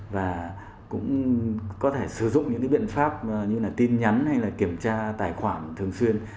và cũng có thể sử dụng những cái biện pháp như là tin nhắn hay là kiểm tra tài khoản thường xuyên